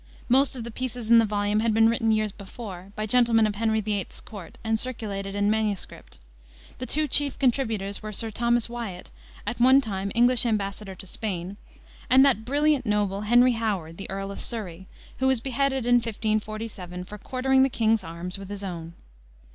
Most of the pieces in the volume had been written years before, by gentlemen of Henry VIII.'s court, and circulated in MS. The two chief contributors were Sir Thomas Wiat, at one time English embassador to Spain, and that brilliant noble, Henry Howard, the Earl of Surrey, who was beheaded in 1547 for quartering the king's arms with his own.